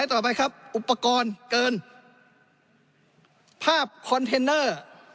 ต่อไปครับอุปกรณ์เกินภาพคอนเทนเนอร์